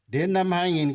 đến năm hai nghìn ba mươi